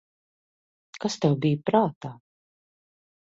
Kas tev bija prātā?